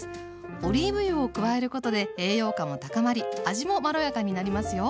オリーブ油を加えることで栄養価も高まり味もまろやかになりますよ。